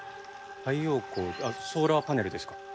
太陽光ソーラーパネルですか？